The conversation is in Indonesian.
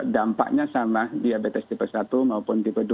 dampaknya sama diabetes tipe satu maupun tipe dua